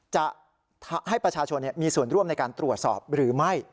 จะให้ประชาชนมีส่วนร่วมในการตรวจสอบหรือไม่